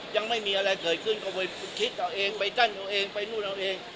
ยังไม่มีอะไรเกิดขึ้นก็ไปคิดเอาเองไปกั้นเอาเองไปนู่นเอาเอง